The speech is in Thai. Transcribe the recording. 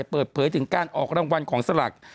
เปิดเผยถึงการออกรางวัลของสลัก